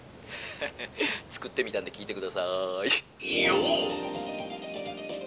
「作ってみたんで聴いて下さい」。